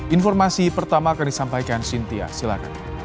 informasi pertama akan disampaikan sintia silakan